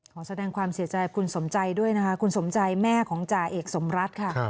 ขอแสดงความเสียใจคุณสมใจด้วยนะคะคุณสมใจแม่ของจ่าเอกสมรัฐค่ะ